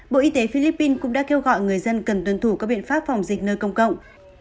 bộ y tế philippines cũng đã kêu gọi người dân cần tuân thủ các biện pháp phòng dịch nơi công cộng